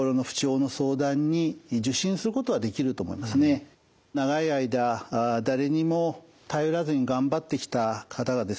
その場合長い間誰にも頼らずに頑張ってきた方がですね